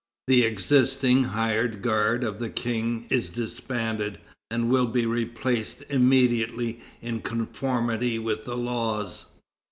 The existing hired guard of the King is disbanded, and will be replaced immediately in conformity with the laws.